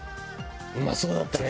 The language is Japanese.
うまそうだったね！